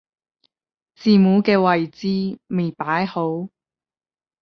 字母嘅位置未擺好